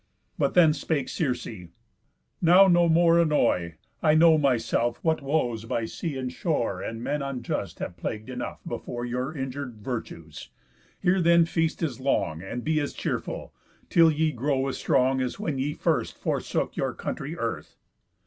But then spake Circe: 'Now, no more annoy, I know myself what woes by sea, and shore, And men unjust have plagued enough before Your injur'd virtues. Here then feast as long, And be as cheerful, till ye grow as strong As when ye first forsook your country earth.